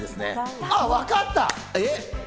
わかった。